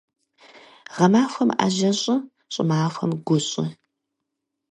Гъэмахуэм Ӏэжьэ щӀы, щӀымахуэм гу щӀы.